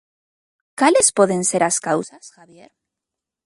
Cales poden ser as causas, Javier?